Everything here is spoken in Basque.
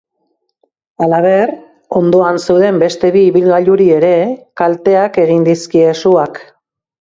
Halaber, ondoan zeuden beste bi ibilgailuri ere, kalteak egin dizkie suak.